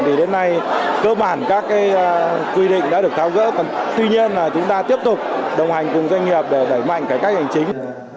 thì đến nay cơ bản các quy định đã được thao gỡ còn tuy nhiên là chúng ta tiếp tục đồng hành cùng doanh nghiệp để đẩy mạnh cải cách hành chính